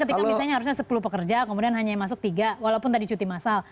karena misalnya harusnya sepuluh pekerja kemudian hanya masuk tiga walaupun tadi cuti masal